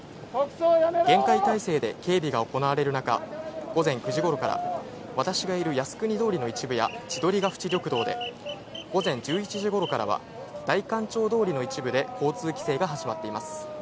厳戒態勢で警備が行われる中、午前９時頃から私がいる靖国通りの一部や千鳥ヶ淵緑道で、午前１１時頃からは代官町通りの一部で交通規制が始まっています。